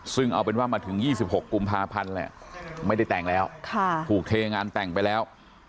ซึ่งเอาเป็นว่ามาถึง๒๖กุมภาพันธ์แหละไม่ได้แต่งแล้วถูกเทงานแต่งไปแล้ว